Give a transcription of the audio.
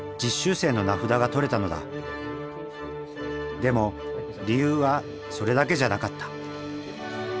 でも理由はそれだけじゃなかった。